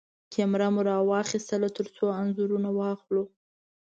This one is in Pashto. کېمره مو راواخيستله ترڅو انځورونه واخلو.